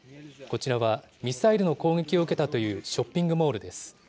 こちらは、ミサイルの攻撃を受けたというショッピングモールです。